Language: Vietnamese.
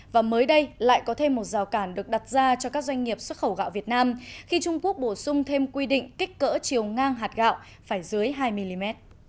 và mới đây lại có thêm một rào cản được đặt ra cho các doanh nghiệp xuất khẩu gạo việt nam khi trung quốc bổ sung thêm quy định kích cỡ chiều ngang hạt gạo phải dưới hai mm